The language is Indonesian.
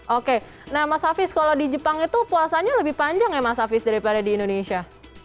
oke nah mas hafiz kalau di jepang itu puasanya lebih panjang ya mas hafiz daripada di indonesia